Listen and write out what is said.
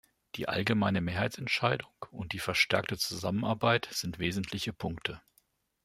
Die allgemeine Mehrheitsentscheidung und die verstärkte Zusammenarbeit sind wesentliche Punkte.